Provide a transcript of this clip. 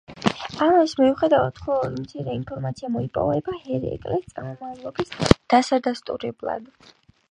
ამის მიუხედავად, მხოლოდ მცირე ინფორმაცია მოიპოვება ჰერაკლეს წარმომავლობის დასადასტურებლად.